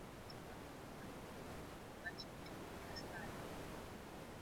iliyofuatwa na vita ya wenyewe kwa wenyewe hadi